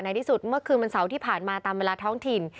ที่สุดเมื่อคืนวันเสาร์ที่ผ่านมาตามเวลาท้องถิ่น